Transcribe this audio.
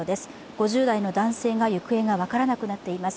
５０代の男性の行方が分からなくなっています。